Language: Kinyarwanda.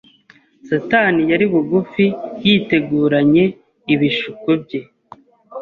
Satani yari bugufi yiteguranye ibishuko bye.